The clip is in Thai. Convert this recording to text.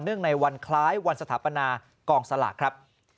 ในวันคล้ายวันสถาปนากองสลากครับ